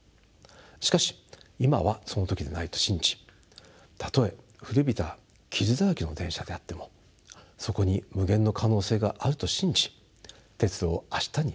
しかし今はその時ではないと信じたとえ古びた傷だらけの電車であってもそこに無限の可能性があると信じ鉄路を明日につないでまいりたいと思います。